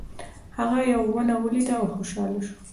هغه یوه ونه ولیده او خوشحاله شو.